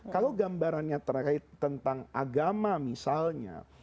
kalau gambarannya terkait tentang agama misalnya